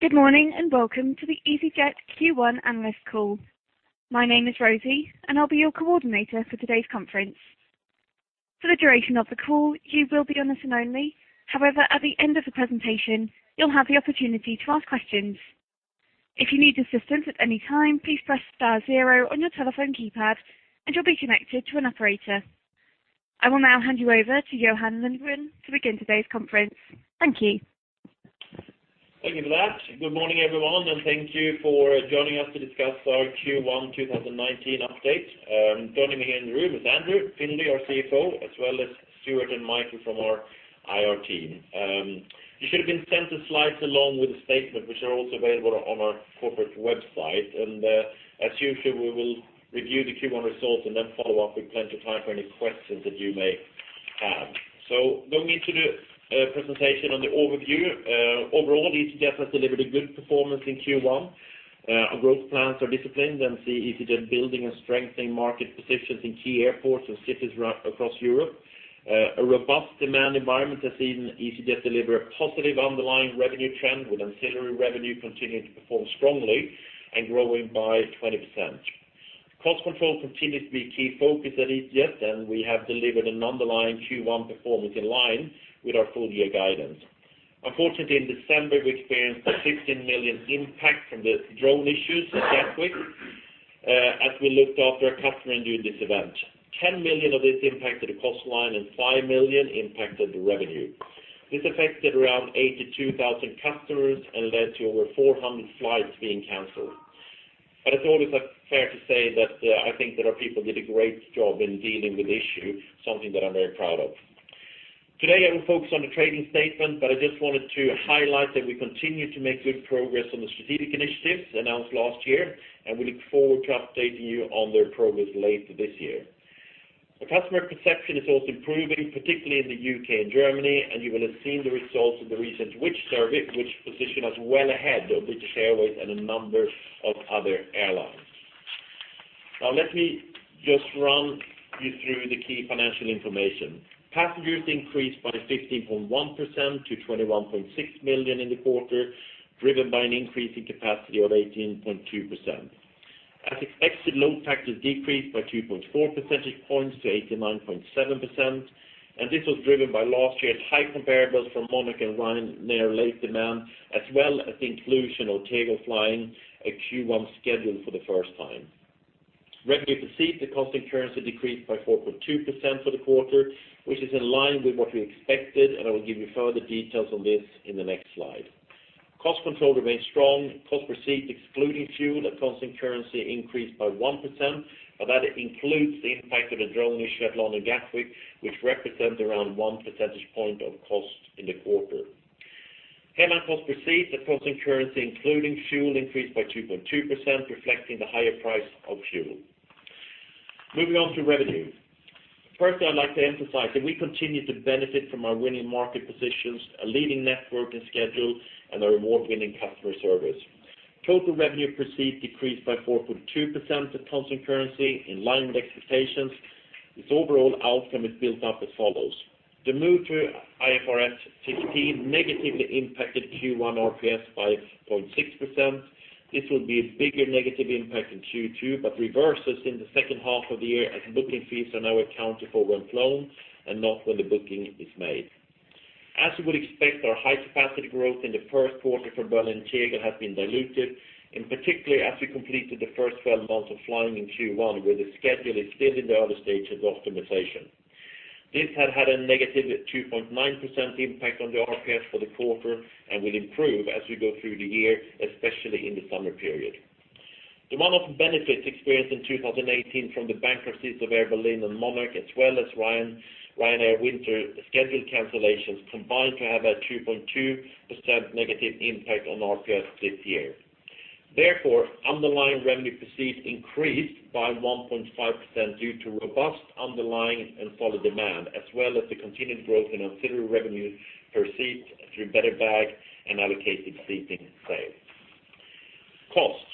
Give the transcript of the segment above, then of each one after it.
Good morning. Welcome to the easyJet Q1 analyst call. My name is Rosie, and I will be your coordinator for today's conference. For the duration of the call, you will be on listen only. At the end of the presentation, you will have the opportunity to ask questions. If you need assistance at any time, please press star zero on your telephone keypad and you will be connected to an operator. I will now hand you over to Johan Lundgren to begin today's conference. Thank you. Thank you for that. Good morning, everyone. Thank you for joining us to discuss our Q1 2019 update. Joining me here in the room is Andrew Findlay, our CFO, as well as Stuart and Michael from our IR team. You should have been sent the slides along with the statement, which are also available on our corporate website. As usual, we will review the Q1 results and then follow up with plenty of time for any questions that you may have. Diving into the presentation on the overview. Overall, easyJet has delivered a good performance in Q1. Our growth plans are disciplined and see easyJet building and strengthening market positions in key airports and cities across Europe. A robust demand environment has seen easyJet deliver a positive underlying revenue trend with ancillary revenue continuing to perform strongly and growing by 20%. Cost control continues to be a key focus at easyJet, and we have delivered an underlying Q1 performance in line with our full-year guidance. Unfortunately, in December, we experienced a 16 million impact from the drone issues at Gatwick as we looked after our customers during this event. 10 million of this impacted the cost line and 5 million impacted the revenue. This affected around 82,000 customers and led to over 400 flights being canceled. It is always fair to say that I think that our people did a great job in dealing with the issue, something that I am very proud of. Today, I will focus on the trading statement. I just wanted to highlight that we continue to make good progress on the strategic initiatives announced last year. We look forward to updating you on their progress later this year. Our customer perception is also improving, particularly in the U.K. and Germany. You will have seen the results of the recent Which? service, which position us well ahead of British Airways and a number of other airlines. Let me just run you through the key financial information. Passengers increased by 15.1% to 21.6 million in the quarter, driven by an increase in capacity of 18.2%. As expected, load factors decreased by 2.4 percentage points to 89.7%. This was driven by last year's high comparables from Monarch and Ryanair late demand, as well as the inclusion of Tegel Flying at Q1 schedule for the first time. Revenue per seat at constant currency decreased by 4.2% for the quarter, which is in line with what we expected. I will give you further details on this in the next slide. Cost control remains strong. Cost per seat excluding fuel at constant currency increased by 1%, but that includes the impact of the drone issue at London Gatwick, which represents around one percentage point of cost in the quarter. Headline cost per seat at constant currency, including fuel, increased by 2.2%, reflecting the higher price of fuel. Moving on to revenue. Firstly, I'd like to emphasize that we continue to benefit from our winning market positions, a leading network and schedule, and our award-winning customer service. Total revenue per seat decreased by 4.2% at constant currency in line with expectations. This overall outcome is built up as follows. The move to IFRS 15 negatively impacted Q1 RPS by 0.6%. This will be a bigger negative impact in Q2, but reverses in the second half of the year as booking fees are now accounted for when flown and not when the booking is made. As you would expect, our high capacity growth in the first quarter for Berlin Tegel has been diluted. Particularly as we completed the first 12 months of flying in Q1, where the schedule is still in the early stages of optimization. This has had a negative 2.9% impact on the RPS for the quarter and will improve as we go through the year, especially in the summer period. Demand of benefits experienced in 2018 from the bankruptcies of Air Berlin and Monarch, as well as Ryanair winter schedule cancellations, combined to have a 2.2% negative impact on RPS this year. Underlying revenue per seat increased by 1.5% due to robust underlying and follow demand, as well as the continued growth in ancillary revenue per seat through better bag and allocated seating sales. Costs.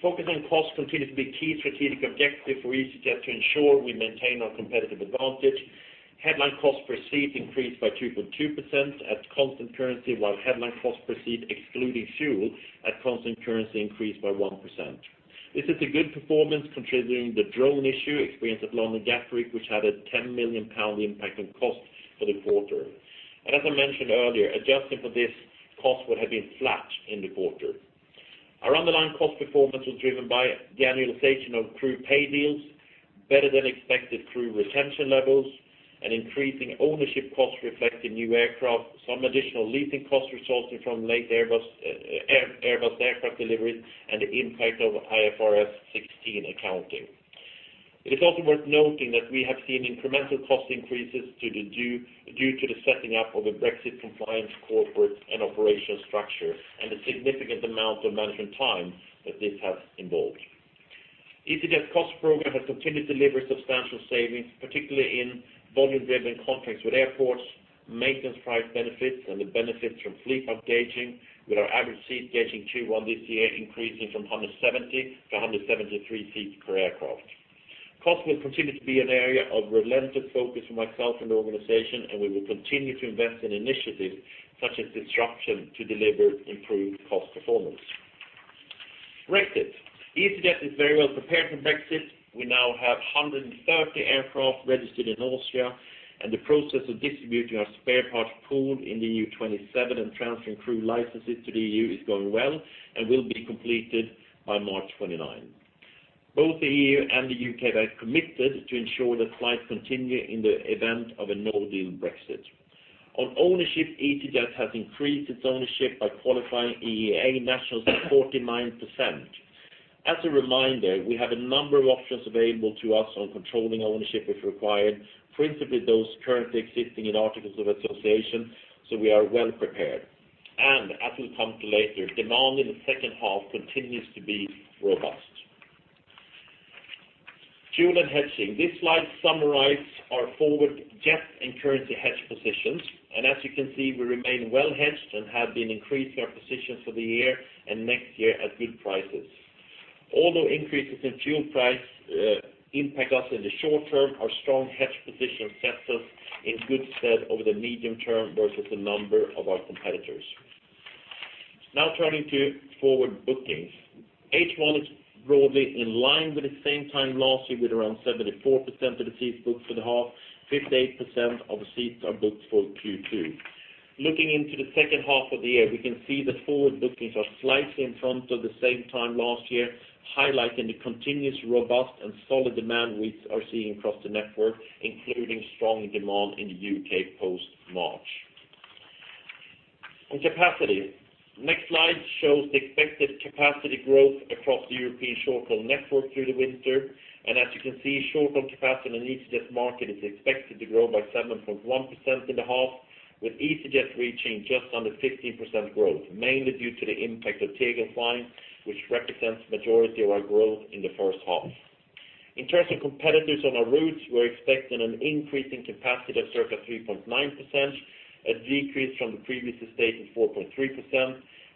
Focusing on costs continues to be a key strategic objective for easyJet to ensure we maintain our competitive advantage. Headline cost per seat increased by 2.2% at constant currency, while headline cost per seat excluding fuel at constant currency increased by 1%. This is a good performance considering the drone issue experienced at London Gatwick, which had a 10 million pound impact on cost for the quarter. As I mentioned earlier, adjusting for this cost would have been flat in the quarter. Our underlying cost performance was driven by the annualization of crew pay deals, better-than-expected crew retention levels, an increasing ownership cost reflecting new aircraft, some additional leasing cost resulting from late Airbus aircraft deliveries, and the impact of IFRS 16 accounting. It is also worth noting that we have seen incremental cost increases due to the setting up of a Brexit compliance corporate and operational structure and the significant amount of management time that this has involved. easyJet's cost program has continued to deliver substantial savings, particularly in volume-driven contracts with airports, maintenance price benefits, and the benefits from fleet upgauging, with our average seat gauging Q1 this year increasing from 170 to 173 seats per aircraft. Cost will continue to be an area of relentless focus for myself and the organization. We will continue to invest in initiatives such as disruption to deliver improved cost performance. Brexit. easyJet is very well prepared for Brexit. We now have 130 aircraft registered in Austria, the process of distributing our spare parts pool in the EU 27 and transferring crew licenses to the EU is going well and will be completed by March 29. Both the EU and the U.K. have committed to ensure that flights continue in the event of a no-deal Brexit. On ownership, easyJet has increased its ownership by qualifying EEA nationals at 49%. As a reminder, we have a number of options available to us on controlling ownership if required, principally those currently existing in articles of association, so we are well prepared. As we'll come to later, demand in the second half continues to be robust. Fuel and hedging. This slide summarizes our forward jet and currency hedge positions, as you can see, we remain well hedged and have been increasing our positions for the year and next year at good prices. Although increases in fuel price impact us in the short term, our strong hedge position sets us in good stead over the medium term versus the number of our competitors. Now turning to forward bookings. H1 is broadly in line with the same time last year, with around 74% of the seats booked for the half, 58% of the seats are booked for Q2. Looking into the second half of the year, we can see that forward bookings are slightly in front of the same time last year, highlighting the continuous robust and solid demand we are seeing across the network, including strong demand in the U.K. post March. On capacity. Next slide shows the expected capacity growth across the European short-haul network through the winter. As you can see, short-haul capacity in an easyJet market is expected to grow by 7.1% in the half, with easyJet reaching just under 15% growth, mainly due to the impact of Tegel flying, which represents the majority of our growth in the first half. In terms of competitors on our routes, we're expecting an increase in capacity of circa 3.9%, a decrease from the previous estate of 4.3%,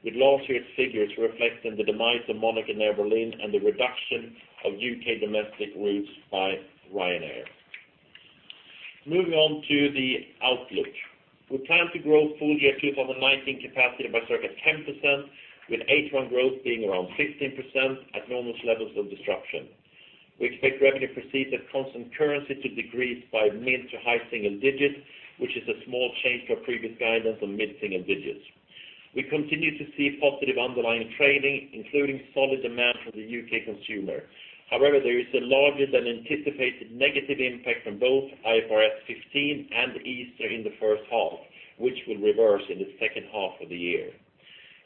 with last year's figures reflecting the demise of Monarch and Air Berlin and the reduction of U.K. domestic routes by Ryanair. Moving on to the outlook. We plan to grow full year 2019 capacity by circa 10%, with H1 growth being around 16% at normal levels of disruption. We expect revenue proceeds at constant currency to decrease by mid to high single digits, which is a small change to our previous guidance on mid-single digits. We continue to see positive underlying trading, including solid demand from the U.K. consumer. However, there is a larger than anticipated negative impact from both IFRS 15 and Easter in the first half, which will reverse in the second half of the year.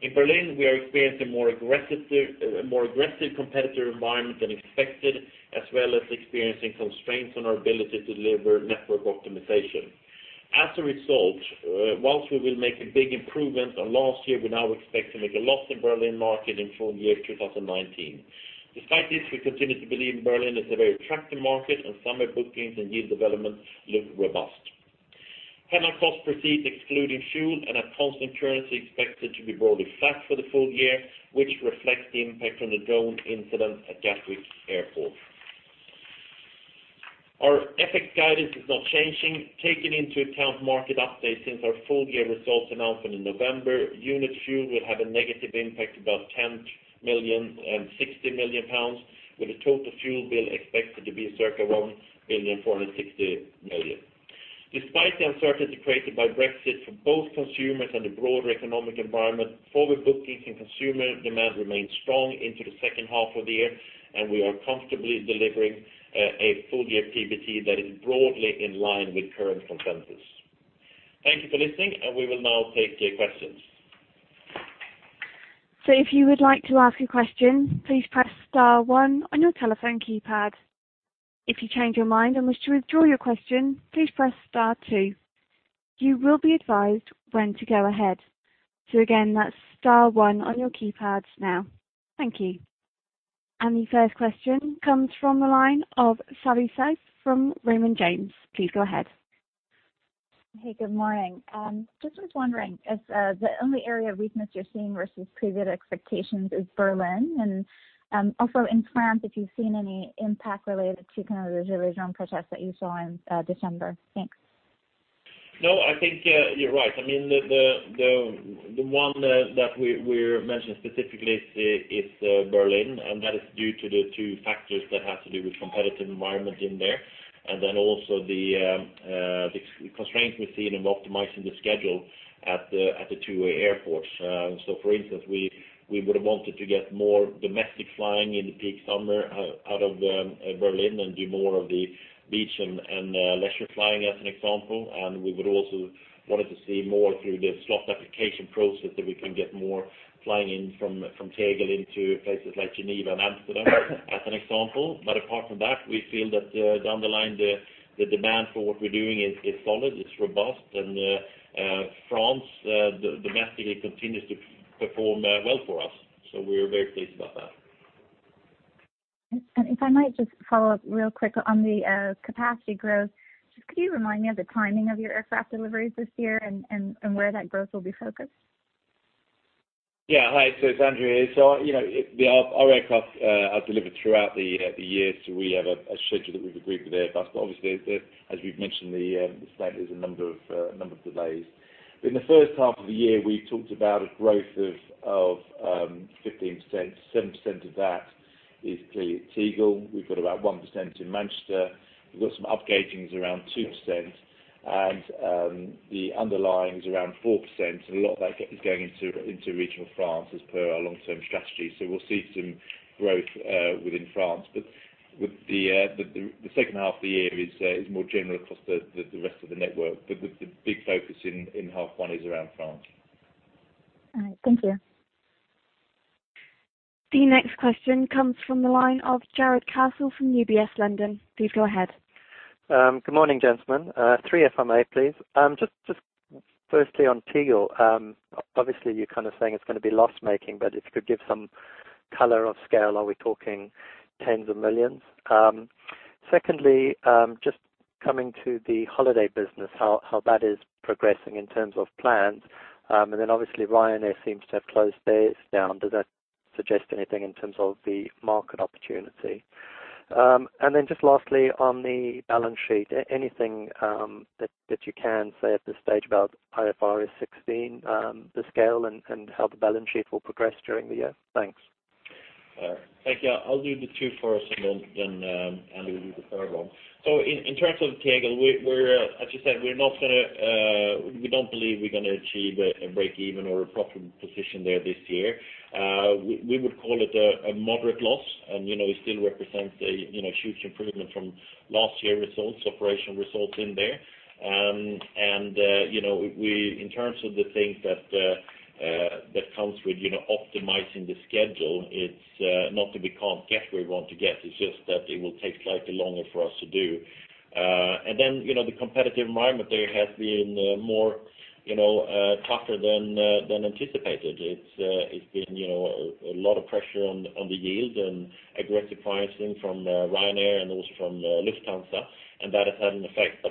In Berlin, we are experiencing a more aggressive competitor environment than expected, as well as experiencing constraints on our ability to deliver network optimization. As a result, whilst we will make a big improvement on last year, we now expect to make a loss in Berlin market in full year 2019. Despite this, we continue to believe Berlin is a very attractive market and summer bookings and yield development look robust. Headline cost proceeds excluding fuel and at constant currency expected to be broadly flat for the full year, which reflects the impact from the drone incident at Gatwick Airport. Our EBIT guidance is not changing. Taking into account market updates since our full year results announcement in November, unit fuel will have a negative impact of 10 million and 60 million pounds, with a total fuel bill expected to be circa 1.46 billion. Despite the uncertainty created by Brexit for both consumers and the broader economic environment, forward bookings and consumer demand remain strong into the second half of the year. We are comfortably delivering a full-year PBT that is broadly in line with current consensus. Thank you for listening. We will now take your questions. If you would like to ask a question, please press star one on your telephone keypad. If you change your mind and wish to withdraw your question, please press star two. You will be advised when to go ahead. Again, that's star one on your keypads now. Thank you. The first question comes from the line of Savanthi Syth from Raymond James. Please go ahead. Hey, good morning. Just was wondering if the only area of weakness you're seeing versus previous expectations is Berlin, and also in France, if you've seen any impact related to kind of the gilets jaunes protests that you saw in December. Thanks. No, I think you're right. The one that we mentioned specifically is Berlin, and that is due to the two factors that have to do with competitive environment in there. Also the constraints we've seen in optimizing the schedule at the two airports. For instance, we would have wanted to get more domestic flying in the peak summer out of Berlin and do more of the beach and leisure flying as an example. We would also wanted to see more through the slot application process that we can get more flying in from Tegel into places like Geneva and Amsterdam as an example. Apart from that, we feel that down the line, the demand for what we're doing is solid, it's robust. France, domestically, continues to perform well for us. We're very pleased about that. If I might just follow up real quick on the capacity growth. Just could you remind me of the timing of your aircraft deliveries this year and where that growth will be focused? Hi. It's Andrew here. Our aircraft are delivered throughout the year, so we have a schedule that we've agreed with Airbus. Obviously, as we've mentioned, the state is a number of delays. In the first half of the year, we've talked about a growth of 15%. 7% of that is clearly at Tegel. We've got about 1% in Manchester. We've got some upgauging is around 2% and the underlying is around 4%, and a lot of that is going into regional France as per our long-term strategy. We'll see some growth within France, but with the second half of the year is more general across the rest of the network. The big focus in half one is around France. All right. Thank you. The next question comes from the line of Jarrod Castle from UBS London. Please go ahead. Good morning, gentlemen. Three if I may, please. Just firstly on Tegel. Obviously, you're kind of saying it's going to be loss-making, but if you could give some color of scale. Are we talking tens of millions? Secondly, just coming to the holiday business, how that is progressing in terms of plans. Then obviously Ryanair seems to have closed theirs down. Does that suggest anything in terms of the market opportunity? Then just lastly, on the balance sheet, anything that you can say at this stage about IFRS 16, the scale and how the balance sheet will progress during the year? Thanks. Thank you. I'll do the two first and then Andrew will do the third one. In terms of Tegel, as you said, we don't believe we're going to achieve a break even or a proper position there this year. We would call it a moderate loss, and it still represents a huge improvement from last year results, operation results in there. In terms of the things that comes with optimizing the schedule, it's not that we can't get where we want to get, it's just that it will take slightly longer for us to do. The competitive environment there has been more tougher than anticipated. It's been a lot of pressure on the yield and aggressive pricing from Ryanair and also from Lufthansa, and that has had an effect.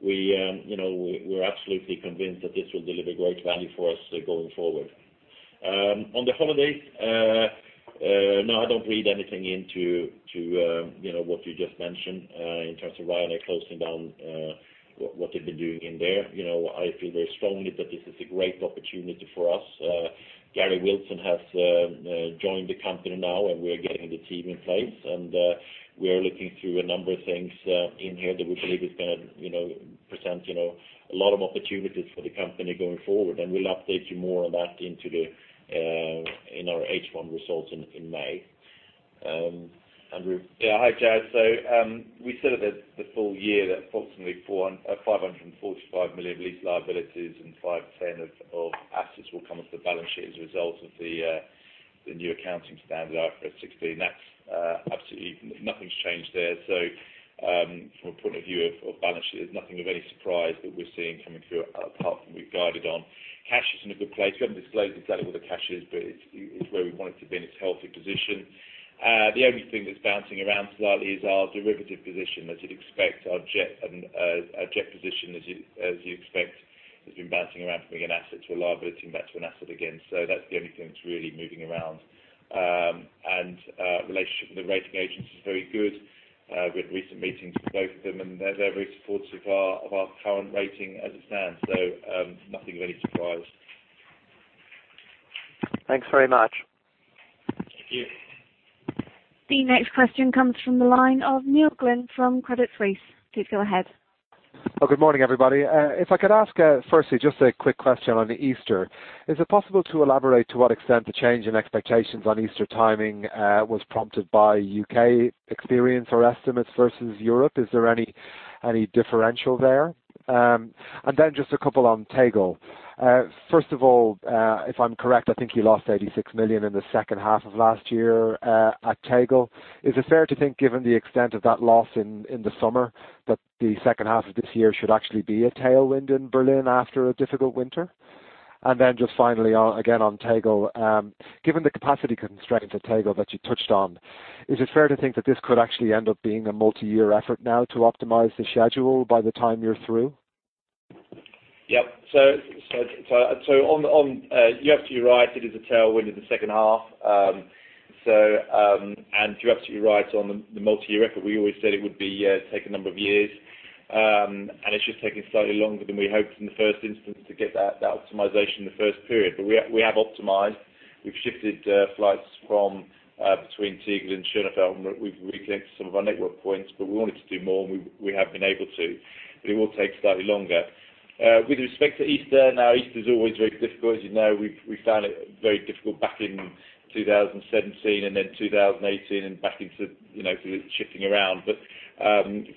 We're absolutely convinced that this will deliver great value for us going forward. On the holidays, no, I don't read anything into what you just mentioned in terms of Ryanair closing down what they've been doing in there. I feel very strongly that this is a great opportunity for us. Garry Wilson has joined the company now, and we are getting the team in place. We are looking through a number of things in here that we believe is going to present a lot of opportunities for the company going forward. We'll update you more on that in our H1 results in May. Andrew? Hi, Jarrod. We said that the full year, that approximately 545 million lease liabilities and 510 of assets will come off the balance sheet as a result of the new accounting standard, IFRS 16. That's absolutely, nothing's changed there. From a point of view of balance sheet, there's nothing of any surprise that we're seeing coming through apart from we've guided on. Cash is in a good place. We haven't disclosed exactly where the cash is, but it's where we want it to be in its healthy position. The only thing that's bouncing around slightly is our derivative position. As you'd expect, our jet position, as you expect, has been bouncing around from being an asset to a liability back to an asset again. That's the only thing that's really moving around. Relationship with the rating agents is very good. We had recent meetings with both of them, and they're very supportive of our current rating as it stands, so nothing of any surprise. Thanks very much. Thank you. The next question comes from the line of Neil Glynn from Credit Suisse. Please go ahead. Good morning, everybody. If I could ask firstly just a quick question on Easter. Is it possible to elaborate to what extent the change in expectations on Easter timing was prompted by U.K. experience or estimates versus Europe? Is there any differential there? Just a couple on Tegel. First of all, if I'm correct, I think you lost 86 million in the second half of last year at Tegel. Is it fair to think, given the extent of that loss in the summer, that the second half of this year should actually be a tailwind in Berlin after a difficult winter? Just finally, again on Tegel, given the capacity constraints at Tegel that you touched on, is it fair to think that this could actually end up being a multi-year effort now to optimize the schedule by the time you're through? Yep. You're absolutely right, it is a tailwind in the second half. You're absolutely right on the multi-year effort. We always said it would take a number of years. It's just taking slightly longer than we hoped in the first instance to get that optimization in the first period. We have optimized. We've shifted flights from between Tegel and Schönefeld, and we've reconnected some of our network points, but we wanted to do more, and we have been able to, but it will take slightly longer. With respect to Easter, now Easter is always very difficult. As you know, we found it very difficult back in 2017 and then 2018 and back into shifting around.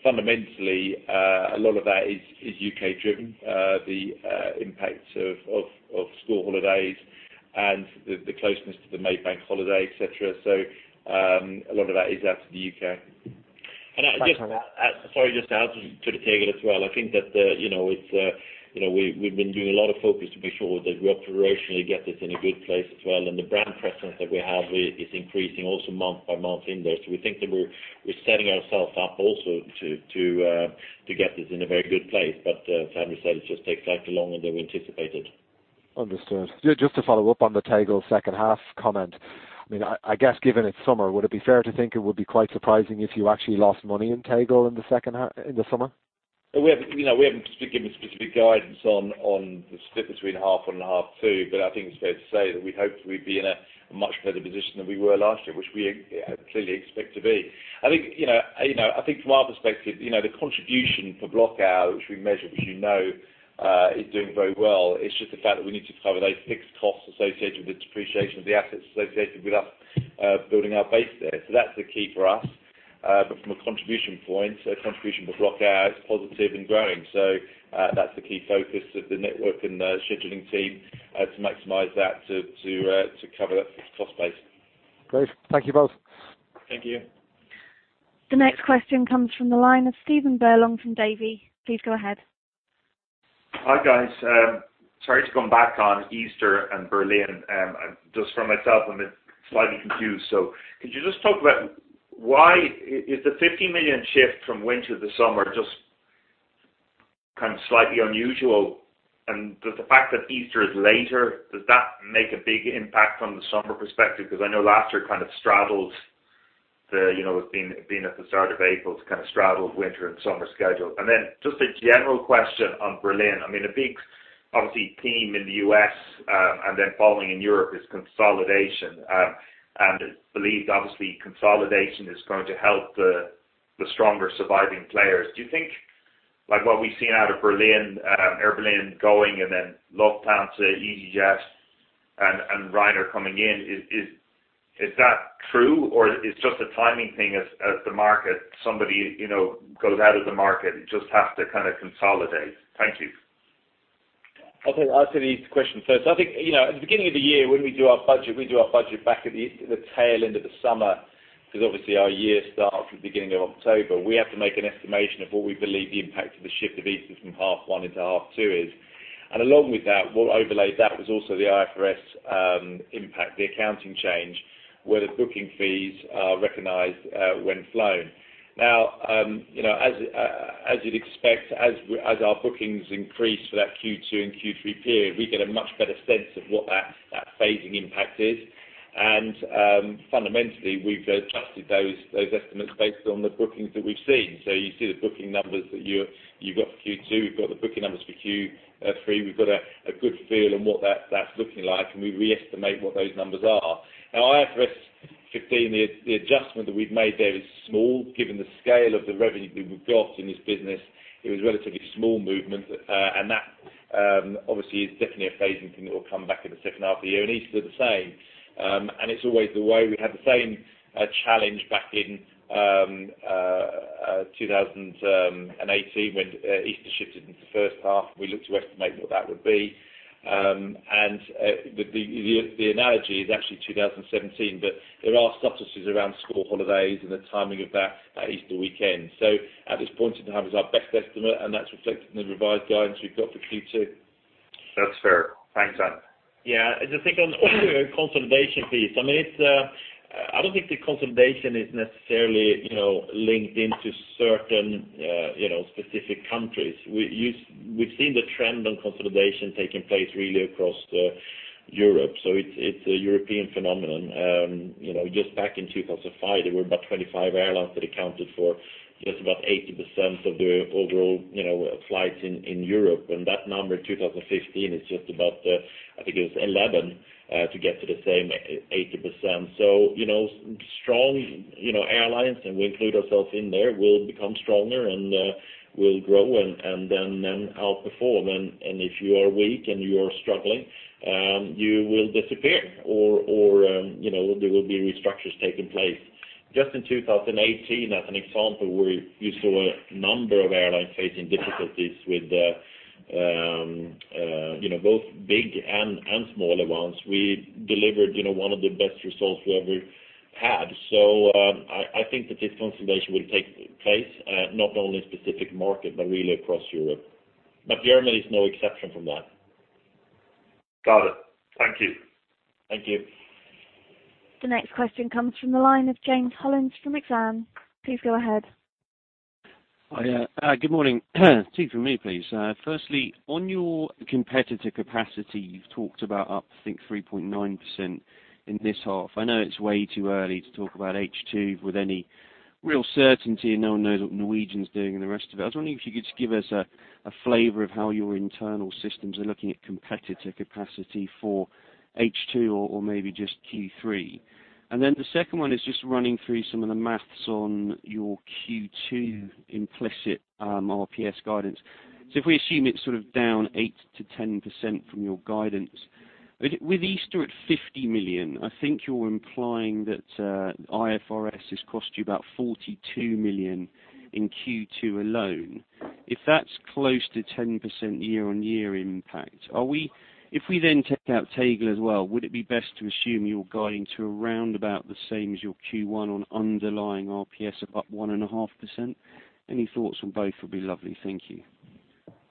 Fundamentally, a lot of that is U.K. driven, the impact of school holidays and the closeness to the May Bank holiday, et cetera. A lot of that is out of the U.K. Sorry, just to add to the Tegel as well. I think that we've been doing a lot of focus to be sure that we operationally get this in a good place as well, and the brand presence that we have is increasing also month by month in there. We think that we're setting ourselves up also to get this in a very good place. As Andrew said, it just takes slightly longer than we anticipated. Understood. Just to follow up on the Tegel second half comment. I guess given it's summer, would it be fair to think it would be quite surprising if you actually lost money in Tegel in the summer? We haven't given specific guidance on the split between half one and half two, but I think it's fair to say that we hope we'd be in a much better position than we were last year, which we clearly expect to be. I think from our perspective, the contribution for [Blocao], which we measure, which you know is doing very well, it's just the fact that we need to cover those fixed costs associated with the depreciation of the assets associated with us building our base there. That's the key for us. From a contribution point, contribution for [Blocao] is positive and growing. That's the key focus of the network and the scheduling team, to maximize that to cover that cost base. Great. Thank you both. Thank you. The next question comes from the line of Stephen Furlong from Davy. Please go ahead. Hi, guys. Sorry to come back on Easter and Berlin. Just for myself, I'm a bit slightly confused. Could you just talk about why is the 50 million shift from winter to summer just kind of slightly unusual? Does the fact that Easter is later, does that make a big impact from the summer perspective? Because I know last year it being at the start of April, it kind of straddled winter and summer schedule. Just a general question on Berlin. A big, obviously, theme in the U.S. and then following in Europe is consolidation. It's believed, obviously, consolidation is going to help the stronger surviving players. Do you think like what we've seen out of Berlin, Air Berlin going and then Lufthansa, easyJet and Ryanair coming in, is that true? It's just a timing thing as the market, somebody goes out of the market, it just has to kind of consolidate. Thank you. Okay. I'll answer the Easter question first. I think, at the beginning of the year, when we do our budget, we do our budget back at the tail end of the summer, because obviously our year starts at the beginning of October. We have to make an estimation of what we believe the impact of the shift of Easter from half one into half two is. Along with that, what overlaid that was also the IFRS impact, the accounting change, where the booking fees are recognized when flown. As you'd expect, as our bookings increase for that Q2 and Q3 period, we get a much better sense of what that phasing impact is. Fundamentally, we've adjusted those estimates based on the bookings that we've seen. You see the booking numbers that you've got for Q2, we've got the booking numbers for Q3. We've got a good feel on what that's looking like, and we re-estimate what those numbers are. IFRS 15, the adjustment that we've made there is small given the scale of the revenue that we've got in this business. It was a relatively small movement, and that obviously is definitely a phasing thing that will come back in the second half of the year, and Easter the same. It's always the way. We had the same challenge back in 2018 when Easter shifted into the first half. We looked to estimate what that would be. The analogy is actually 2017, but there are subtleties around school holidays and the timing of that Easter weekend. At this point in time is our best estimate and that's reflected in the revised guidance we've got for Q2. That's fair. Thanks, Andrew. Yeah. Just think on the consolidation piece, I don't think the consolidation is necessarily linked into certain specific countries. We've seen the trend on consolidation taking place really across Europe. It's a European phenomenon. Just back in 2005, there were about 25 airlines that accounted for just about 80% of the overall flights in Europe. That number in 2015 is just about, I think it was 11 to get to the same 80%. Strong airlines, and we include ourselves in there, will become stronger and will grow and then outperform. If you are weak and you are struggling, you will disappear, or there will be restructures taking place. Just in 2018, as an example, you saw a number of airlines facing difficulties, both big and smaller ones. We delivered one of the best results we ever had. I think that this consolidation will take place, not only specific market, but really across Europe. Germany is no exception from that. Got it. Thank you. Thank you. The next question comes from the line of James Hollins from Exane. Please go ahead. Hi. Good morning. Two from me, please. Firstly, on your competitor capacity, you've talked about up, I think, 3.9% in this half. I know it's way too early to talk about H2 with any real certainty. No one knows what Norwegian's doing and the rest of it. I was wondering if you could just give us a flavor of how your internal systems are looking at competitor capacity for H2 or maybe just Q3. The second one is just running through some of the maths on your Q2 implicit RPS guidance. If we assume it's sort of down 8%-10% from your guidance, with Easter at 50 million, I think you're implying that IFRS has cost you about 42 million in Q2 alone. If that's close to 10% year-on-year impact, if we take out Tegel as well, would it be best to assume you're guiding to around about the same as your Q1 on underlying RPS of up 1.5%? Any thoughts on both would be lovely. Thank you.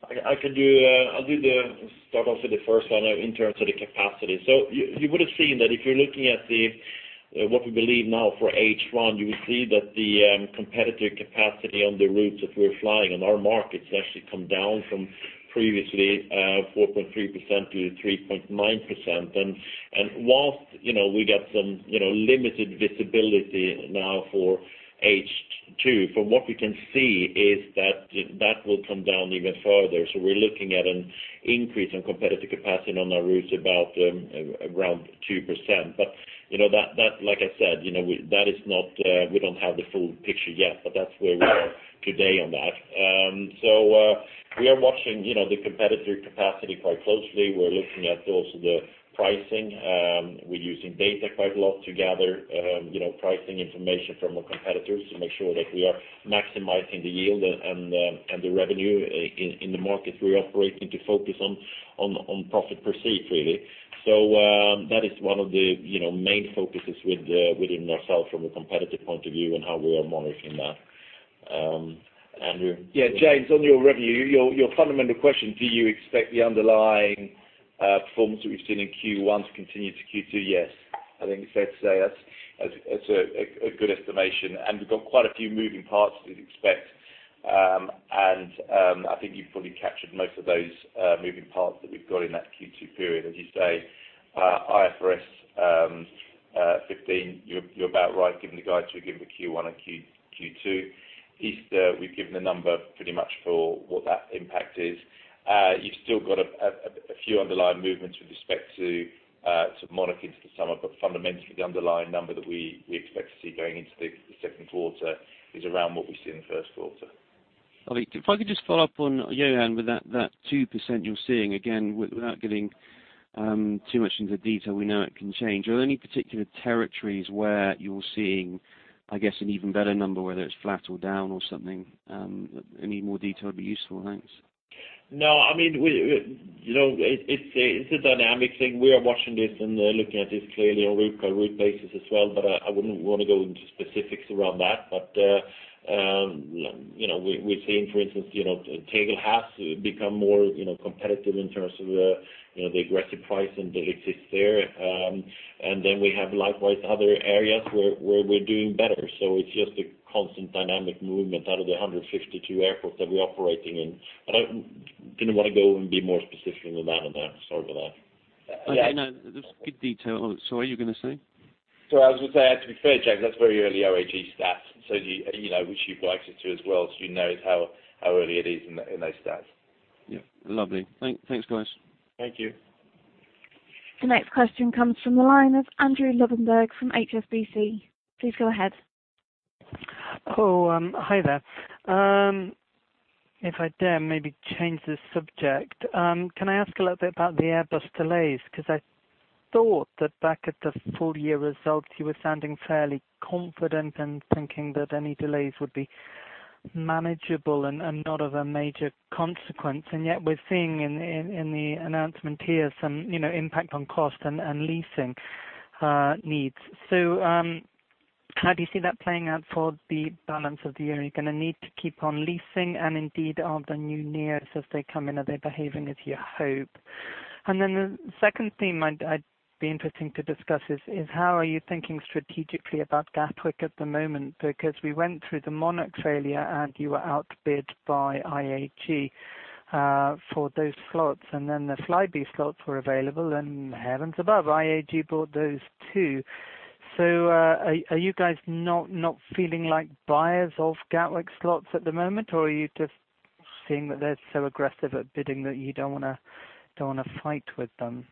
I'll start off with the first one in terms of the capacity. You would have seen that if you're looking at the. What we believe now for H1, you will see that the competitive capacity on the routes that we're flying on our markets actually come down from previously 4.3% to 3.9%. Whilst we got some limited visibility now for H2, from what we can see is that that will come down even further. We're looking at an increase in competitive capacity on our routes about around 2%. Like I said, we don't have the full picture yet, but that's where we are today on that. We are watching the competitive capacity quite closely. We're looking at also the pricing. Yeah, James, on your revenue, your fundamental question, do you expect the underlying performance that we've seen in Q1 to continue to Q2? Yes. I think it's fair to say that's a good estimation. That is one of the main focuses within ourselves from a competitive point of view and how we are monitoring that. Andrew? Yeah, James, on your revenue, your fundamental question, do you expect the underlying performance that we've seen in Q1 to continue to Q2? Yes. I think it's fair to say that's a good estimation. We've got quite a few moving parts that you'd expect. I think you've probably captured most of those moving parts that we've got in that Q2 period. As you say, IFRS 15, you're about right, given the guides we give for Q1 and Q2. Easter, we've given the number pretty much for what that impact is. You've still got a few underlying movements with respect to Monarch into the summer. Fundamentally, the underlying number that we expect to see going into the second quarter is around what we see in the first quarter. If I could just follow up on Johan with that 2% you're seeing. Again, without getting too much into detail, we know it can change. Are there any particular territories where you're seeing, I guess, an even better number, whether it's flat or down or something? Any more detail would be useful. Thanks. No. It's a dynamic thing. We are watching this and looking at this clearly on a route per route basis as well. I wouldn't want to go into specifics around that. We're seeing, for instance, Tegel has become more competitive in terms of the aggressive pricing that exists there. We have likewise other areas where we're doing better. It's just a constant dynamic movement out of the 152 airports that we're operating in. I didn't want to go and be more specific than that on that. Sorry for that. No, that's good detail. Sorry, you were going to say? I was going to say, to be fair, James, that's very early IAG stats, which you've liked it, too, as well. You know how early it is in those stats. Yeah. Lovely. Thanks, guys. Thank you. The next question comes from the line of Andrew Lobbenberg from HSBC. Please go ahead. Oh, hi there. If I dare maybe change the subject, can I ask a little bit about the Airbus delays? I thought that back at the full year results, you were sounding fairly confident and thinking that any delays would be manageable and not of a major consequence. Yet we're seeing in the announcement here some impact on cost and leasing needs. How do you see that playing out for the balance of the year? Are you going to need to keep on leasing? Indeed, are the new Neos as they come in, are they behaving as you hope? The second theme I'd be interesting to discuss is how are you thinking strategically about Gatwick at the moment? We went through the Monarch failure, and you were outbid by IAG for those slots, and then the Flybe slots were available, and heavens above, IAG bought those, too. Are you guys not feeling like buyers of Gatwick slots at the moment, or are you just seeing that they're so aggressive at bidding that you don't want to fight with them?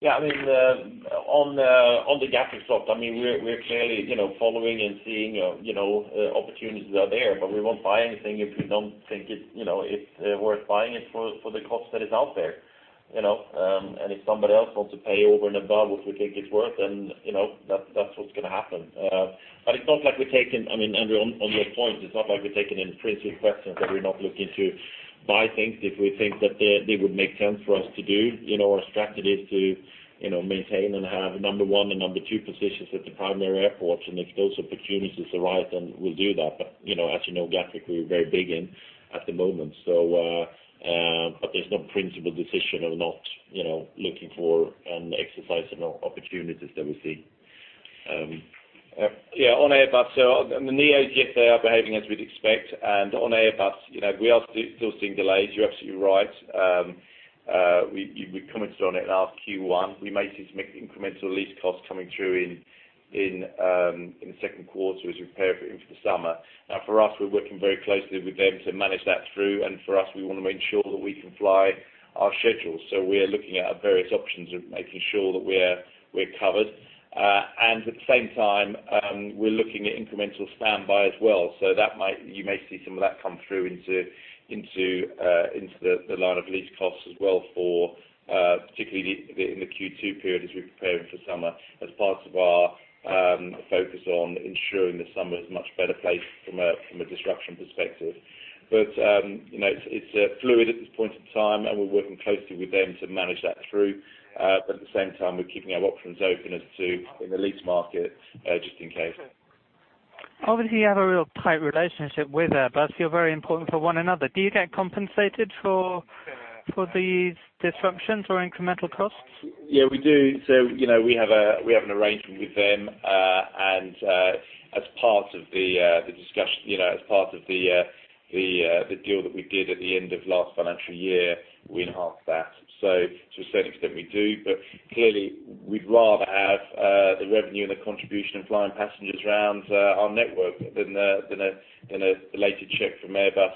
Yeah, on the Gatwick slot, we're clearly following and seeing opportunities are there. We won't buy anything if we don't think it's worth buying it for the cost that is out there. If somebody else wants to pay over and above what we think it's worth, that's what's going to happen. Andrew, on your point, it's not like we're taking any principle questions that we're not looking to buy things if we think that they would make sense for us to do. Our strategy is to maintain and have number one and number two positions at the primary airports, and if those opportunities arise, then we'll do that. As you know, Gatwick, we're very big in at the moment. There's no principle decision of not looking for and exercising opportunities that we see. Yeah. On Airbus, the A320neo, yes, they are behaving as we'd expect. On Airbus, we are still seeing delays. You're absolutely right. We commented on it last Q1. We may see some incremental lease costs coming through in the second quarter as we prepare for the summer. Now, for us, we're working very closely with them to manage that through. For us, we want to make sure that we can fly our schedules. We are looking at various options of making sure that we're covered. At the same time, we're looking at incremental standby as well. You may see some of that come through into the line of lease costs as well for particularly in the Q2 period as we're preparing for summer as part of our focus on ensuring the summer is much better placed from a disruption perspective. It's fluid at this point in time, and we're working closely with them to manage that through. At the same time, we're keeping our options open as to in the lease market, just in case. Obviously, you have a real tight relationship with Airbus. You're very important for one another. Do you get compensated for these disruptions or incremental costs? Yeah, we do. We have an arrangement with them. As part of the deal that we did at the end of last financial year, we enhanced that. To a certain extent we do, but clearly we'd rather have the revenue and the contribution of flying passengers around our network than a belated check from Airbus,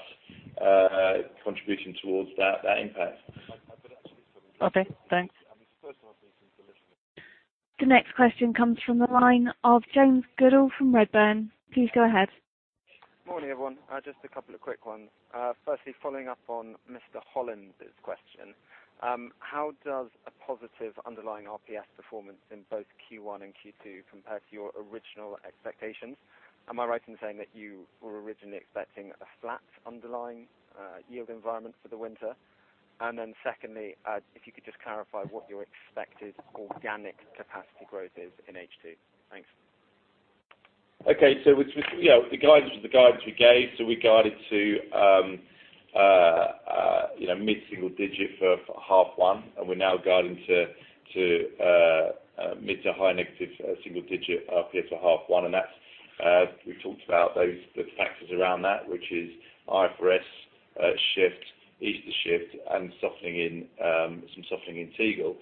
contribution towards that impact. Okay, thanks. The next question comes from the line of James Goodall from Redburn. Please go ahead. Morning, everyone. Just a couple of quick ones. Firstly, following up on Mr. Hollins' question. How does a positive underlying RPS performance in both Q1 and Q2 compare to your original expectations? Am I right in saying that you were originally expecting a flat underlying yield environment for the winter? Secondly, if you could just clarify what your expected organic capacity growth is in H2. Thanks. Okay. The guidance we gave, we guided to mid-single-digit for half one, and we're now guiding to mid-to-high negative single-digit RPS for half one and we've talked about those, the factors around that, which is IFRS shift, Easter shift, and some softening in Tegel.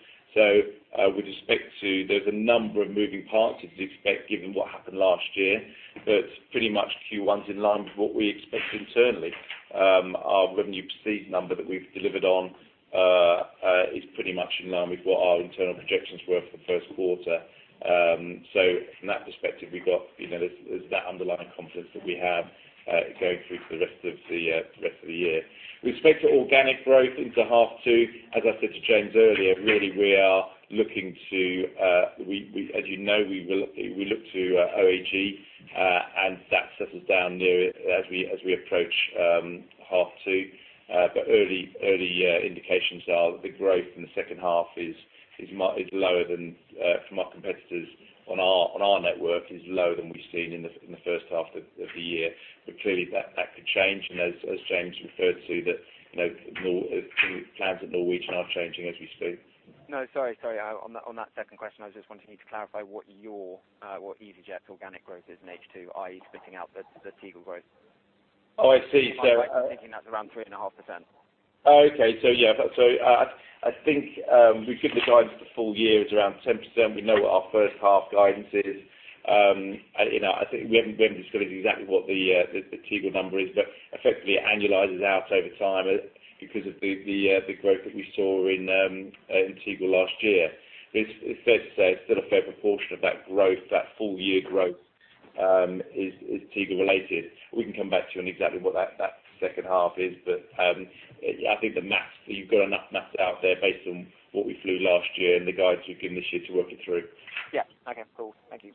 I would expect to, there's a number of moving parts you'd expect given what happened last year, but pretty much Q1 is in line with what we expect internally. Our revenue perceived number that we've delivered on is pretty much in line with what our internal projections were for the first quarter. From that perspective, we've got, there's that underlying confidence that we have going through to the rest of the year. We expect organic growth into half two. As I said to James earlier, really we are looking to, as you know, we look to OAG, and that settles down nearer as we approach half two. Early indications are that the growth in the second half is lower than, from our competitors on our network, is lower than we've seen in the first half of the year. Clearly that could change and as James referred to that plans at Norwegian are changing as we speak. No, sorry on that second question, I was just wanting you to clarify what your, what easyJet's organic growth is in H2, i.e., splitting out the Tegel growth. Oh, I see. I'm thinking that's around 3.5%. Okay. Yeah. I think we give the guidance for the full year as around 10%. We know what our first half guidance is. I think we haven't disclosed exactly what the Tegel number is, but effectively it annualizes out over time because of the growth that we saw in Tegel last year. It's fair to say it's still a fair proportion of that growth, that full-year growth, is Tegel-related. We can come back to you on exactly what that second half is. I think the math, you've got enough math out there based on what we flew last year and the guides we've given this year to work it through. Yeah. Okay, cool. Thank you.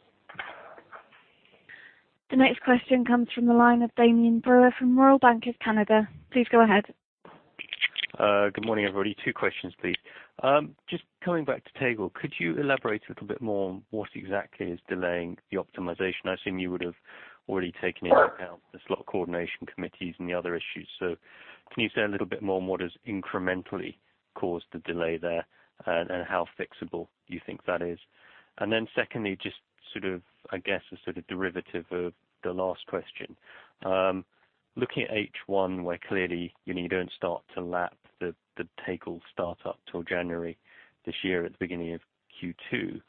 The next question comes from the line of Damian Brewer from Royal Bank of Canada. Please go ahead. Good morning, everybody. Two questions, please. Just coming back to Tegel, could you elaborate a little bit more on what exactly is delaying the optimization? I assume you would've already taken into account the slot coordination committees and the other issues. Can you say a little bit more on what has incrementally caused the delay there? How fixable do you think that is? Secondly, just sort of, I guess, a sort of derivative of the last question. Looking at H1, where clearly you don't start to lap the Tegel startup till January this year at the beginning of Q2,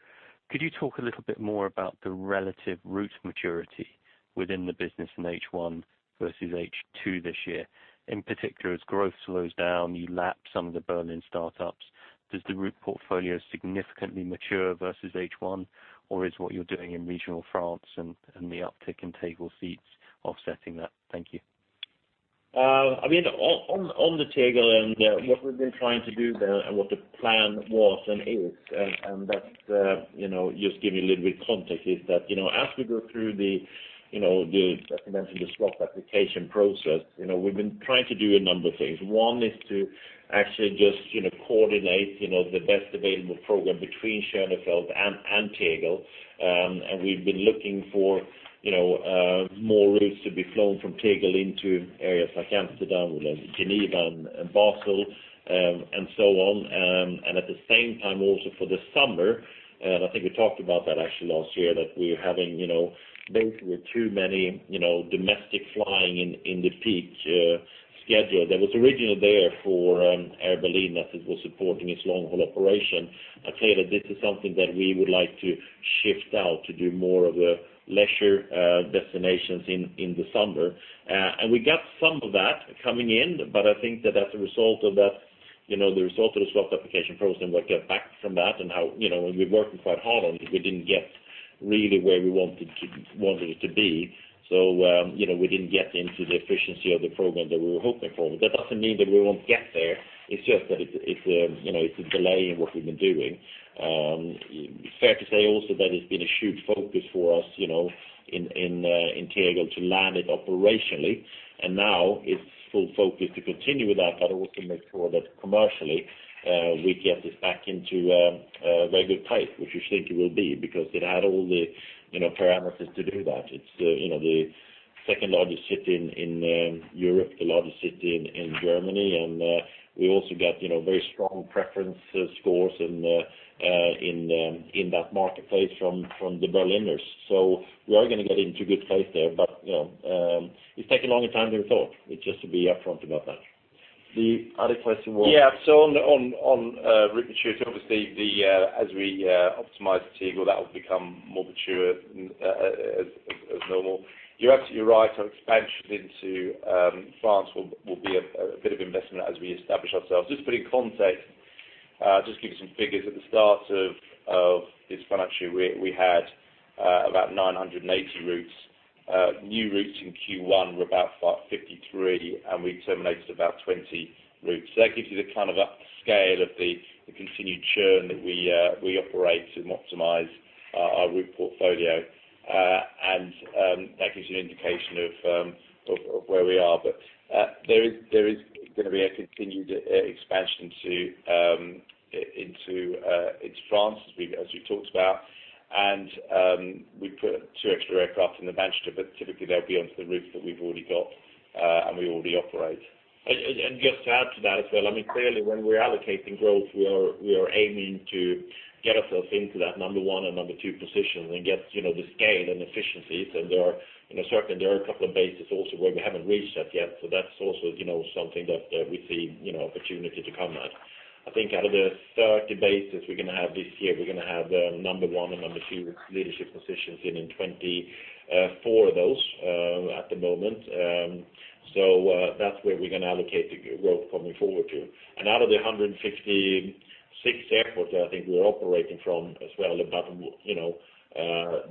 could you talk a little bit more about the relative route maturity within the business in H1 versus H2 this year? In particular, as growth slows down, you lap some of the Berlin startups. Does the route portfolio significantly mature versus H1, or is what you're doing in regional France and the uptick in Tegel seats offsetting that? Thank you. On the Tegel end, what we've been trying to do there and what the plan was and is, and that, just give you a little bit of context, is that as we go through the, as you mentioned, the slot application process, we've been trying to do a number of things. One is to actually just coordinate the best available program between Schönefeld and Tegel. We've been looking for more routes to be flown from Tegel into areas like Amsterdam, Geneva, and Basel, and so on. At the same time also for the summer, and I think we talked about that actually last year, that we're having basically too many domestic flying in the peak schedule that was originally there for Air Berlin as it was supporting its long-haul operation. Clearly, this is something that we would like to shift out to do more of a leisure destinations in the summer. We got some of that coming in, but I think that as a result of that, the result of the slot application process and what came back from that and how, and we're working quite hard on it, we didn't get really where we wanted it to be. We didn't get into the efficiency of the program that we were hoping for. That doesn't mean that we won't get there. It's just that it's a delay in what we've been doing. Fair to say also that it's been a huge focus for us in Tegel to land it operationally, now it's full focus to continue with that, but also make sure that commercially we get this back into very good shape, which we think it will be because it had all the parameters to do that. It's the second largest city in Europe, the largest city in Germany. We also get very strong preference scores in that marketplace from the Berliners. We are going to get into a good place there. It's taken longer time than we thought, just to be upfront about that. The other question was. Yeah. On route maturity, obviously, as we optimize Tegel, that will become more mature as normal. You're absolutely right, our expansion into France will be a bit of investment as we establish ourselves. Just to put it in context, I'll just give you some figures. At the start of this financial year, we had about 980 routes. New routes in Q1 were about 53, we terminated about 20 routes. That gives you the kind of upscale of the continued churn that we operate and optimize our route portfolio. That gives you an indication of where we are. There is going to be a continued expansion into France as we talked about, we put two extra aircraft in Manchester, but typically they'll be onto the routes that we've already got and we already operate. Just to add to that as well, clearly when we're allocating growth, we are aiming to get ourselves into that number 1 and number 2 position and get the scale and efficiencies. Certainly, there are a couple of bases also where we haven't reached that yet. That's also something that we see opportunity to come at. I think out of the 30 bases we're going to have this year, we're going to have number 1 and number 2 leadership positions in 24 of those at the moment. That's where we're going to allocate the growth coming forward to. Out of the 166 airports that I think we're operating from as well,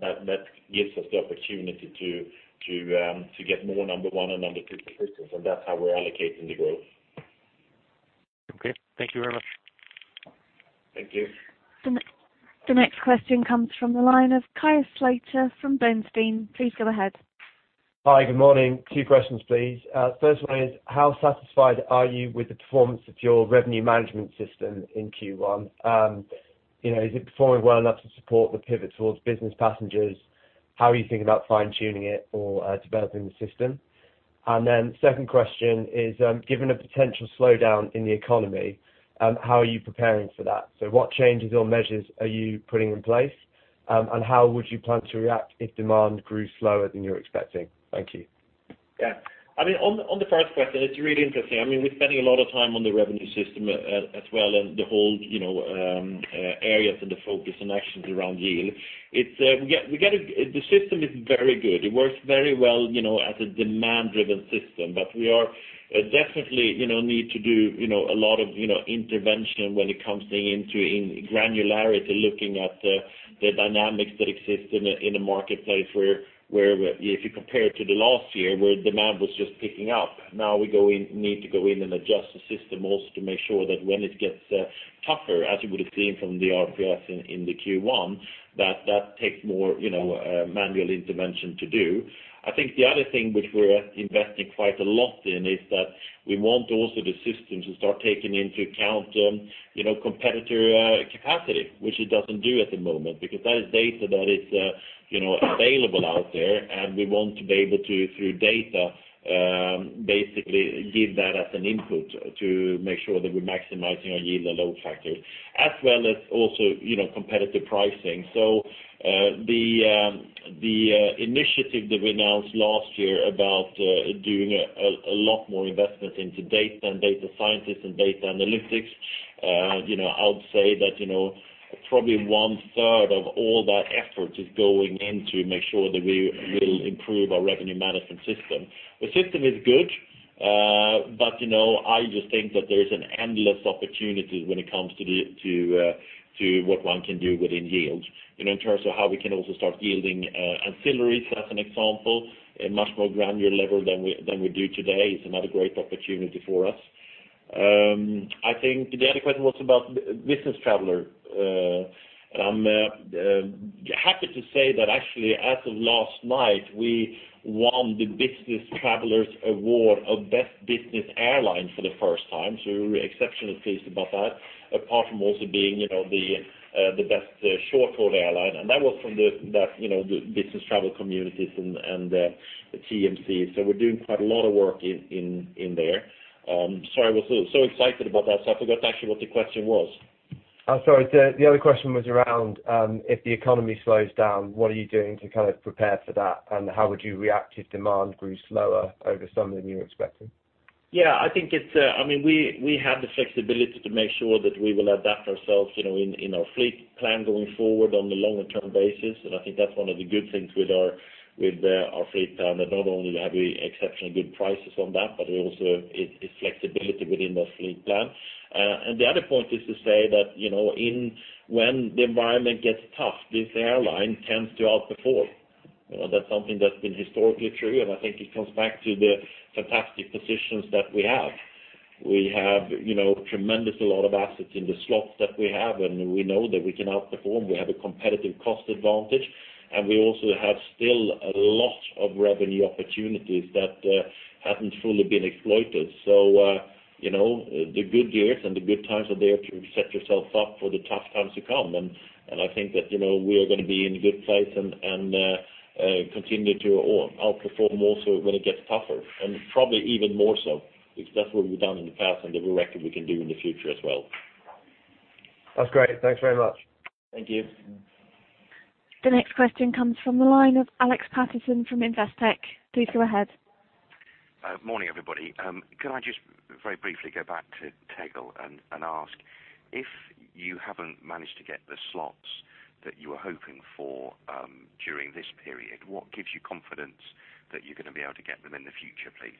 that gives us the opportunity to get more number 1 and number 2 positions, and that's how we're allocating the growth. Okay. Thank you very much. Thank you. The next question comes from the line of Daniel Roeska from Bernstein. Please go ahead. Hi, good morning. Two questions, please. First one is, how satisfied are you with the performance of your revenue management system in Q1? Is it performing well enough to support the pivot towards business passengers? How are you thinking about fine-tuning it or developing the system? Second question is, given a potential slowdown in the economy, how are you preparing for that? What changes or measures are you putting in place? How would you plan to react if demand grew slower than you're expecting? Thank you. Yeah. On the first question, it's really interesting. We're spending a lot of time on the revenue system as well, and the whole areas and the focus and actions around yield. The system is very good. It works very well as a demand-driven system. We are definitely need to do a lot of intervention when it comes into granularity, looking at the dynamics that exist in a marketplace where, if you compare to the last year, where demand was just picking up. Now, we need to go in and adjust the system also to make sure that when it gets tougher, as you would have seen from the RPS in the Q1, that takes more manual intervention to do. I think the other thing which we're investing quite a lot in is that we want also the system to start taking into account competitor capacity, which it doesn't do at the moment, because that is data that is available out there, and we want to be able to, through data, basically give that as an input to make sure that we're maximizing our yield and load factors, as well as also competitive pricing. The initiative that we announced last year about doing a lot more investment into data and data scientists and data analytics, I would say that probably one third of all that effort is going in to make sure that we will improve our revenue management system. The system is good. I just think that there's an endless opportunity when it comes to what one can do within yield, in terms of how we can also start yielding ancillaries, as an example, at a much more granular level than we do today is another great opportunity for us. I think the other question was about business traveler. I'm happy to say that actually, as of last night, we won the Business Traveller Awards of Best Business Airline for the first time. We're exceptionally pleased about that, apart from also being the best short-haul airline, and that was from the business travel communities and the TMC. Sorry, I was so excited about that, I forgot actually what the question was. Sorry. The other question was around, if the economy slows down, what are you doing to kind of prepare for that, and how would you react if demand grew slower over summer than you're expecting? Yeah. We have the flexibility to make sure that we will adapt ourselves in our fleet plan going forward on the longer-term basis, I think that's one of the good things with our fleet plan, that not only have we exceptionally good prices on that, but also its flexibility within the fleet plan. The other point is to say that, when the environment gets tough, this airline tends to outperform. That's something that's been historically true, I think it comes back to the fantastic positions that we have. We have tremendous a lot of assets in the slots that we have, We know that we can outperform. We have a competitive cost advantage, We also have still a lot of revenue opportunities that haven't fully been exploited. The good years and the good times are there to set yourself up for the tough times to come. I think that we are going to be in a good place and continue to outperform also when it gets tougher, probably even more so, because that's what we've done in the past the record we can do in the future as well. That's great. Thanks very much. Thank you. The next question comes from the line of Alex Paterson from Investec. Please go ahead. Morning, everybody. Can I just very briefly go back to Tegel and ask, if you haven't managed to get the slots that you were hoping for during this period, what gives you confidence that you're going to be able to get them in the future, please?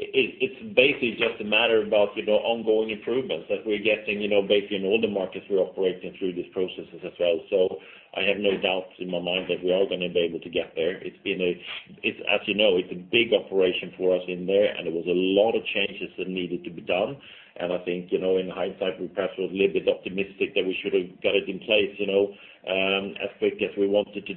It's basically just a matter of ongoing improvements that we're getting, basically in all the markets we're operating through these processes as well. I have no doubts in my mind that we are going to be able to get there. As you know, it's a big operation for us there, and there were a lot of changes that needed to be done. I think, in hindsight, we perhaps were a little bit optimistic that we should have got it in place as quick as we wanted to.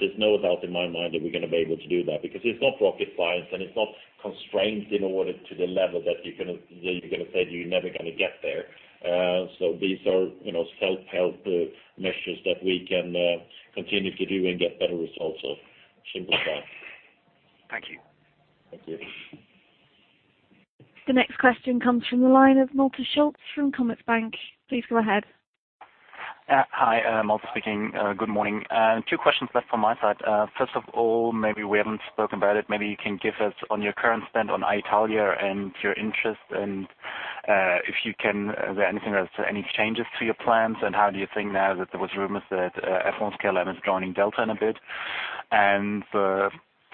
There's no doubt in my mind that we're going to be able to do that, because it's not rocket science, and it's not constrained in order to the level that you're going to say that you're never going to get there. These are self-help measures that we can continue to do and get better results. Simple as that. Thank you. Thank you. The next question comes from the line of Malte Schulz from Commerzbank. Please go ahead. Hi, Malte speaking. Good morning. Two questions left from my side. First of all, maybe we haven't spoken about it. Maybe you can give us your current stand on Alitalia and your interest, and if you can, is there any changes to your plans, and how do you think now that there were rumors that Air France-KLM is joining Delta in a bit? The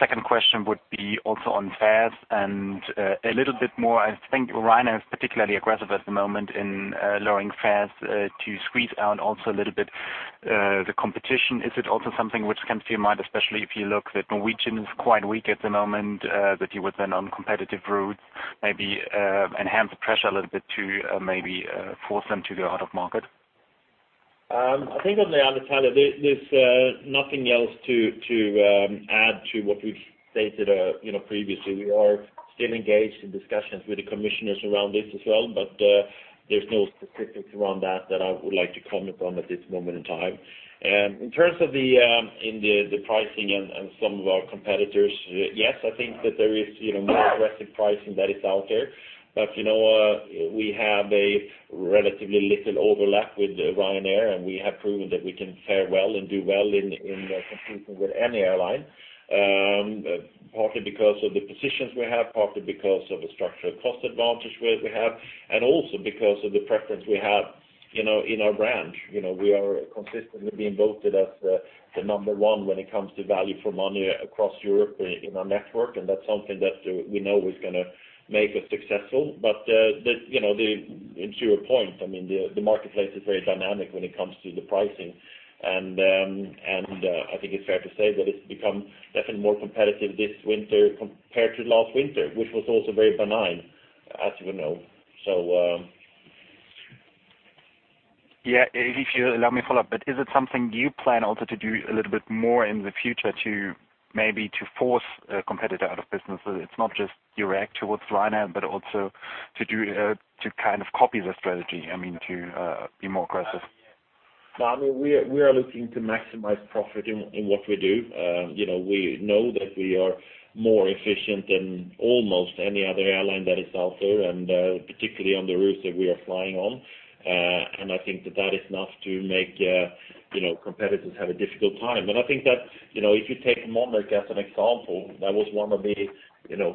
second question would be also on fares and a little bit more, I think Ryanair is particularly aggressive at the moment in lowering fares to squeeze out also a little bit the competition. Is it also something which comes to your mind, especially if you look that Norwegian is quite weak at the moment, that you would then on competitive routes maybe enhance the pressure a little bit to maybe force them to go out of market? I think on the Alitalia, there's nothing else to add to what we've stated previously. We are still engaged in discussions with the commissioners around this as well, but there's no specifics around that that I would like to comment on at this moment in time. In terms of the pricing and some of our competitors, yes, I think that there is more aggressive pricing that is out there. We have a relatively little overlap with Ryanair, and we have proven that we can fare well and do well in competing with any airline. Partly because of the positions we have, partly because of the structural cost advantage we have, and also because of the preference we have in our brand. We are consistently being voted as the number one when it comes to value for money across Europe in our network, and that's something that we know is going to make us successful. To your point, the marketplace is very dynamic when it comes to pricing. I think it's fair to say that it's become definitely more competitive this winter compared to last winter, which was also very benign, as you know. If you allow me to follow up, is it something you plan also to do a little bit more in the future to maybe force a competitor out of business? It's not just direct towards Ryanair, but also to copy the strategy, to be more aggressive. We are looking to maximize profit in what we do. We know that we are more efficient than almost any other airline that is out there, and particularly on the routes that we are flying on. I think that that is enough to make competitors have a difficult time. I think that if you take Monarch as an example, that was one of the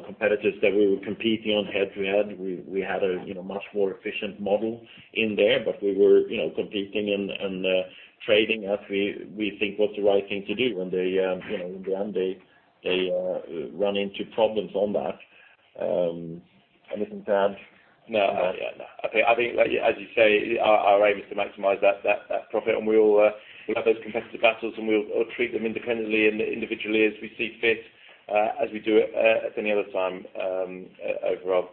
competitors that we were competing on head to head. We had a much more efficient model there, but we were competing and trading as we think was the right thing to do. In the end, they ran into problems on that. Anything to add? No. I think as you say, our aim is to maximize that profit, and we will have those competitive battles, and we'll treat them independently and individually as we see fit, as we do at any other time over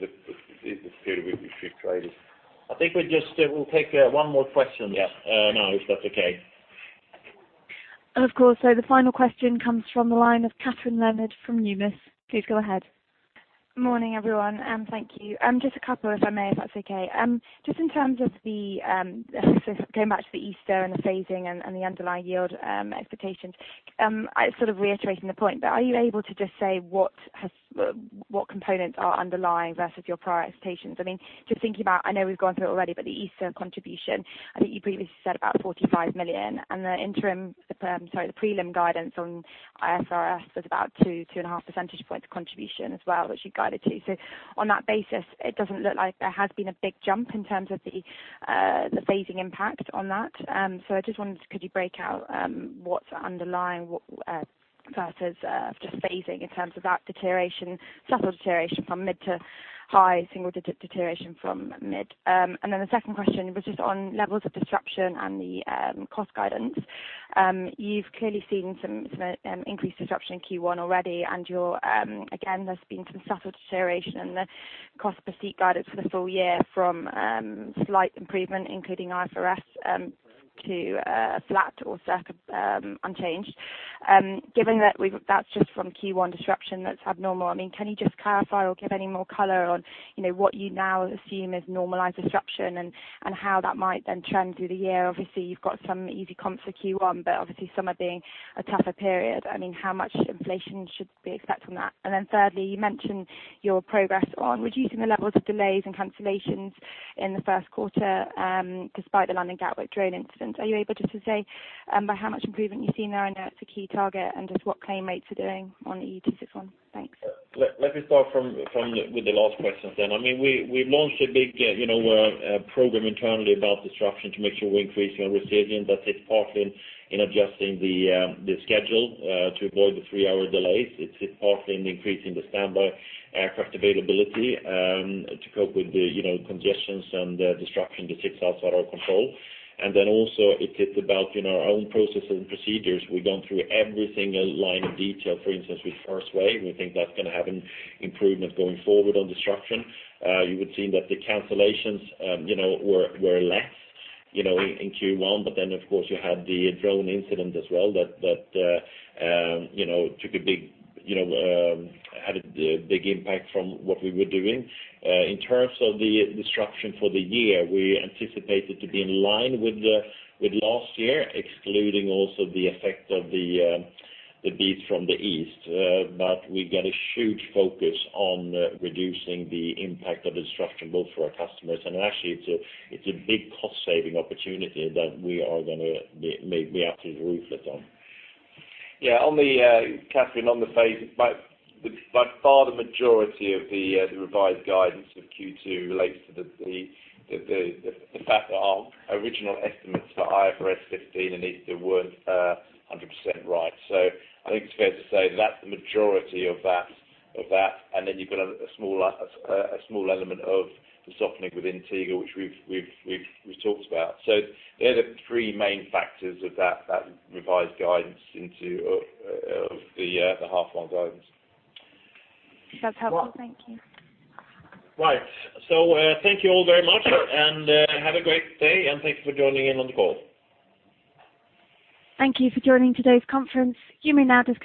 the period we've traded. I think we'll take one more question. Yeah. Now, if that's okay. Of course. The final question comes from the line of Kathryn Lynn from Numis. Please go ahead. Morning, everyone, and thank you. Just a couple, if I may, if that's okay. Just in terms of the Easter and the phasing and the underlying yield expectations. Reiterating the point, are you able to just say what components are underlying versus your prior expectations? Just thinking about, I know we've gone through it already, the Easter contribution, I think you previously said about 45 million, and the interim, sorry, the prelim guidance on IFRS was about 2.5 percentage points contribution as well, which you guided to. On that basis, it doesn't look like there has been a big jump in terms of the phasing impact on that. I just wondered, could you break out what's underlying versus just phasing in terms of that subtle deterioration from mid to high single-digit deterioration from mid? The second question was just on levels of disruption and the cost guidance. You've clearly seen some increased disruption in Q1 already, again, there's been some subtle deterioration in the cost per seat guidance for the full year from slight improvement, including IFRS, to flat or circa unchanged. Given that that's just from Q1 disruption that's abnormal, can you just clarify or give any more color on what you now assume is normalized disruption and how that might then trend through the year? You've got some easy comps for Q1, but obviously summer being a tougher period. How much inflation should we expect from that? Thirdly, you mentioned your progress on reducing the levels of delays and cancellations in the first quarter, despite the London Gatwick drone incident. Are you able just to say by how much improvement you see now, I know it's a key target, and just what claim rates are doing on EU261? Thanks. Let me start with the last questions then. We've launched a big program internally about disruption to make sure we're increasing our resilience, it's partly in adjusting the schedule to avoid the three-hour delays. It's partly in increasing the standby aircraft availability to cope with the congestions and disruption that sits outside our control. Also it is about our own processes and procedures. We're going through every single line of detail. For instance, with First Wave, we think that's going to have an improvement going forward on disruption. You would see that the cancellations were less in Q1, of course, you had the drone incident as well that had a big impact from what we were doing. In terms of the disruption for the year, we anticipated to be in line with last year, excluding also the effect of the beast from the East. We got a huge focus on reducing the impact of disruption both for our customers, and actually it's a big cost-saving opportunity that we actively reflect on. Kathryn, on the phase, by far the majority of the revised guidance of Q2 relates to the fact that our original estimates for IFRS 15 and IFRS 16 weren't 100% right. I think it's fair to say that the majority of that, and then you've got a small element of the softening within Tegel, which we've talked about. There are the three main factors of that revised guidance into the half one guidance. That's helpful. Thank you. Thank you all very much, and have a great day, and thank you for joining in on the call. Thank you for joining today's conference. You may now disconnect.